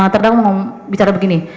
terdak mau bicara begini